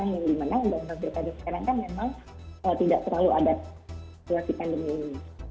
yang dimana undang undang pertama sekarang kan memang tidak terlalu adat selama pandemi ini